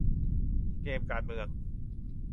เกมการเมือง